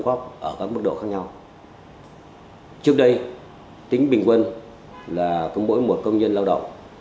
hoàn cảnh gia đình rất éo le